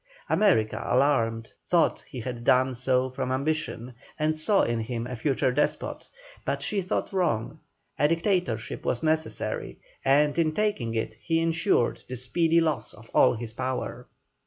America alarmed, thought he had done so from ambition, and saw in him a future despot, but she thought wrong; a dictatorship was necessary, and in taking it he ensured the speedy loss of all his power.